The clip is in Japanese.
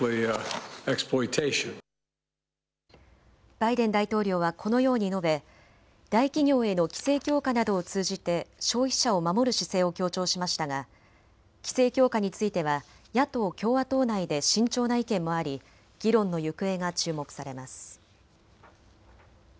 バイデン大統領はこのように述べ、大企業への規制強化などを通じて消費者を守る姿勢を強調しましたが規制強化については野党・共和党内で慎重な意見もあり議論の行方が注目されます。